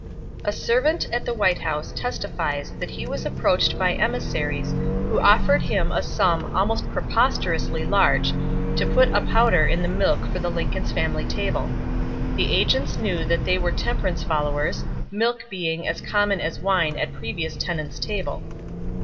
A servant at the White House testifies that he was approached by emissaries who offered him a sum almost preposterously large to put a powder in the milk for the Lincoln family's table. The agents knew that they were temperance followers, milk being as common as wine at previous tenants' table.